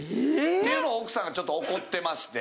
っていうのを奥さんがちょっと怒ってまして。